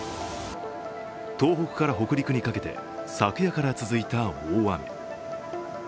東北から北陸にかけて、昨夜から続いた大雨。